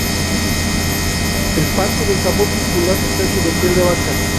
El parche del tambor circular está hecho de piel de vaca.